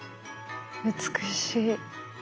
美しい。